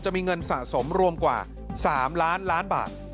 เงินสะสมรวมกว่า๓ล้านล้านบาท